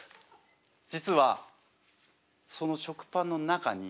実はその食パンの中に。